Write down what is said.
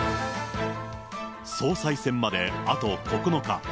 総裁選まであと９日。